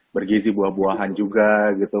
bergizi buah buahan juga gitu